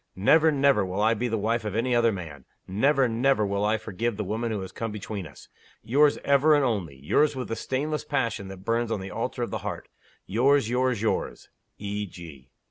Never, never will I be the wife of any other man! Never, never will I forgive the woman who has come between us! Yours ever and only; yours with the stainless passion that burns on the altar of the heart; yours, yours, yours E. G."